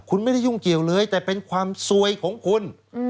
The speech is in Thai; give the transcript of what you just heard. คุณไม่ได้ยุ่งเกี่ยวเลยแต่เป็นความซวยของคุณ